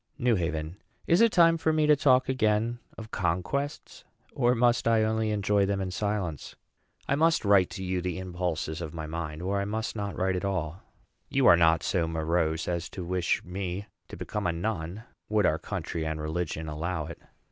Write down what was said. NEW HAVEN. Is it time for me to talk again of conquests? or must I only enjoy them in silence? I must write to you the impulses of my mind, or I must not write at all. You are not so morose as to wish me to become a nun, would our country and religion allow it.